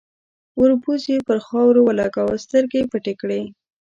، وربوز يې پر خاورو ولګاوه، سترګې يې پټې کړې.